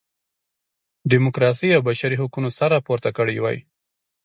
ډیموکراسۍ او بشري حقونو سر راپورته کړی وای.